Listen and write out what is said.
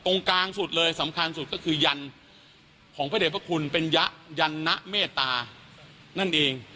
กลางสุดเลยสำคัญสุดก็คือยันของพระเด็จพระคุณเป็นยะยันนะเมตตานั่นเอง